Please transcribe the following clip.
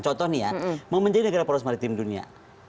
contohnya mau menjadi negara perus maritim dunia